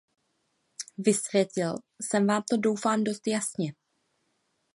Vysvětlil jsem vám to doufám dost jasně?